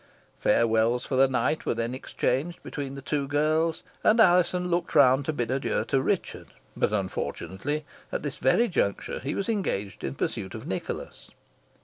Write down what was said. Farewells for the night were then exchanged between the two girls, and Alizon looked round to bid adieu to Richard, but unfortunately, at this very juncture, he was engaged in pursuit of Nicholas.